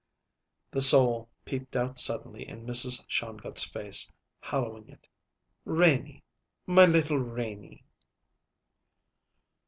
The soul peeped out suddenly in Mrs. Shongut's face, hallowing it. "Renie! My little Renie!"